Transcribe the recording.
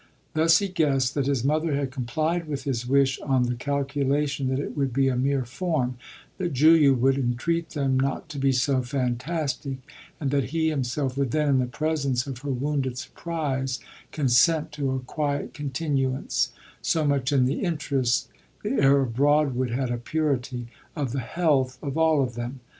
Thus he guessed that his mother had complied with his wish on the calculation that it would be a mere form, that Julia would entreat them not to be so fantastic and that he himself would then, in the presence of her wounded surprise, consent to a quiet continuance, so much in the interest the air of Broadwood had a purity! of the health of all of them.